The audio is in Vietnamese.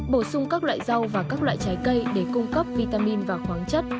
bổ sung các loại rau và các loại trái cây để cung cấp vitamin và khoáng chất